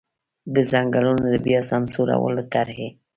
د ځنګلونو د بیا سمسورولو طرحې.